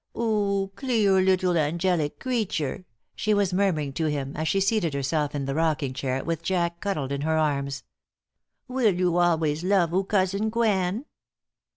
"'Oo clear 'ittle angelic creature," she was murmuring to him, as she seated herself in the rocking chair, with Jack cuddled in her arms. "Will 'oo always love 'oo cousin Gwen?"